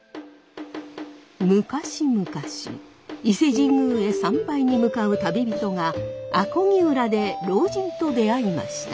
昔々伊勢神宮へ参拝に向かう旅人が阿漕浦で老人と出会いました。